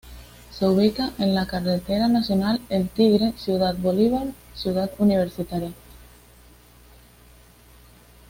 Se ubica en la Carretera Nacional El Tigre Ciudad Bolívar, Ciudad Universitaria.